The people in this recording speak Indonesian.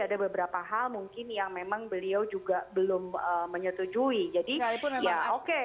ada beberapa hal mungkin yang memang beliau juga belum menyatujui jadi alih penegak oke